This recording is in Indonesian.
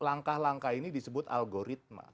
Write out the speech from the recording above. langkah langkah ini disebut algoritma